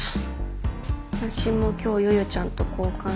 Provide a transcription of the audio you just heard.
私も今日夜々ちゃんと交換したんで。